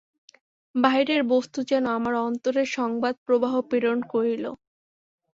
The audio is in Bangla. বাহিরের বস্তু যেন আমার অন্তরে সংবাদ-প্রবাহ প্রেরণ করিল।